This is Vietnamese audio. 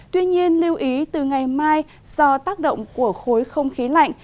tuy nhiên lưu ý từ ngày mai do tác động của khối không khí lạnh